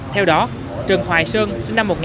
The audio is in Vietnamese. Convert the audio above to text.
theo đó trần hoài sơn